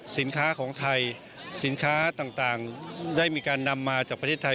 สินค้าของไทยสินค้าต่างได้มีการนำมาจากประเทศไทย